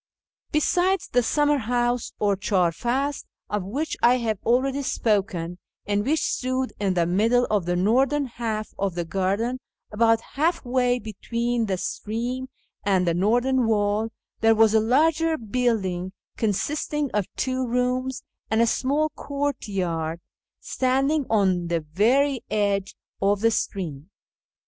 Besides the summer house, or chdr fad, of which I have already spoken, and which stood in the middle of the northern half of the garden, about half way between the stream and the northern w^all, there was a larger building, consisting of two rooms and a small courtyard, standing on the very edge of the stream.